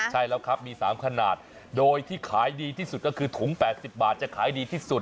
ใช่แล้วครับมี๓ขนาดโดยที่ขายดีที่สุดก็คือถุง๘๐บาทจะขายดีที่สุด